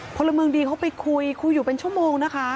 พลเมืองดีเขาไปคุยคุยอยู่เป็นชั่วโมงนะคะ